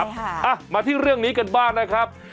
ใช่ค่ะมาที่เรื่องนี้กันบ้างนะครับ